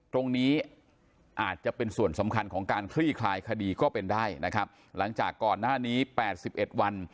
ตรงนี้อาจจะเป็นส่วนสำคัญของการคลี่คลายคดีก็เป็นได้นะครับหลังจากก่อนหน้านี้๘๑วัน